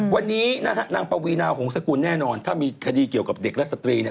วันนี้นางปวีนาวของสกุลแน่นอนถ้ามีคดีเกี่ยวกับเด็กรัศตรี